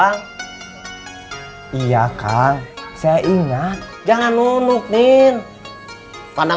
mbak stella hai mama